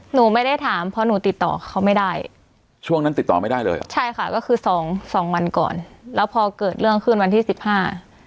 หนูไม่ได้ถามเพราะหนูติดต่อเขาไม่ได้ช่วงนั้นติดต่อไม่ได้เลยใช่ค่ะก็คือสองสองวันก่อนแล้วพอเกิดเรื่องขึ้นวันที่สิบห้า